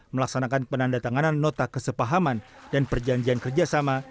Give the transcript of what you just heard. melaksanakan penandatanganan nota kesepahaman dan perjanjian kerjasama